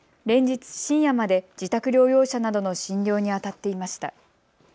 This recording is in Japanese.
連日深夜まで自宅療養者などの診療にあたっていました。